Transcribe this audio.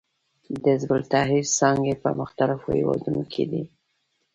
د حزب التحریر څانګې په مختلفو هېوادونو کې دي.